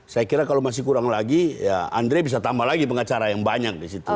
saya kira kalau masih kurang lagi ya andre bisa tambah lagi pengacara yang banyak di situ